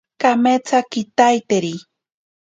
Kametsa kitaiteri.